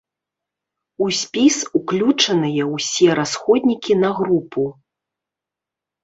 У спіс уключаныя ўсе расходнікі на групу.